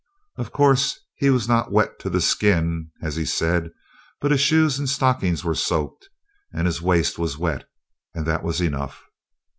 Of course he was not "wet to the skin," as he said, but his shoes and stockings were soaked, and his waist was wet, and that was enough.